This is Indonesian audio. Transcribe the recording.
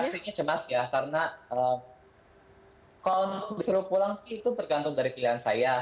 asiknya cemas ya karena kalau untuk disuruh pulang sih itu tergantung dari pilihan saya